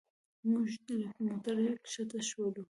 موږ له موټر ښکته شولو.